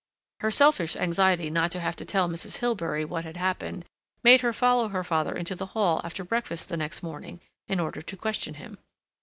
Her selfish anxiety not to have to tell Mrs. Hilbery what had happened made her follow her father into the hall after breakfast the next morning in order to question him.